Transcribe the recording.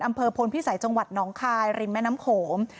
อำเภอพลพิสัยจังหวัดหนองคายริมแม่น้ำโขง